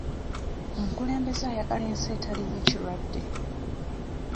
Omukulembeze ayagala ensi etaliimu kirwadde.